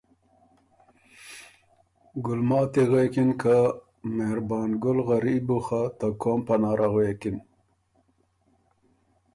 ګُلماتی غوېکِن که ”مهربان ګُل غریب بُو خه ته قوم پناره غوېکِن